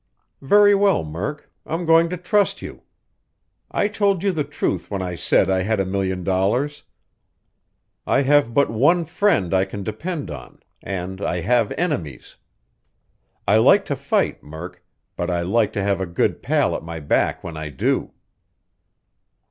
"Very well, Murk, I'm going to trust you. I told you the truth when I said I had a million dollars. I have but one friend I can depend upon, and I have enemies. I like to fight, Murk, but I like to have a good pal at my back when I do."